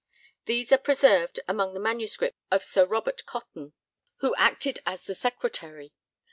These are preserved among the manuscripts of Sir Robert Cotton, who acted as the secretary.